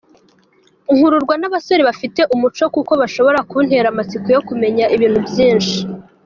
Nkururwa n’abasore bafite umuco kuko bashobora kuntera amatsiko yo kumenya ibintu byinshi.